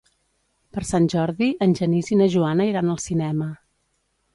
Per Sant Jordi en Genís i na Joana iran al cinema.